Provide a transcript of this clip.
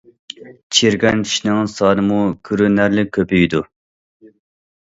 چىرىگەن چىشنىڭ سانىمۇ كۆرۈنەرلىك كۆپىيىدۇ.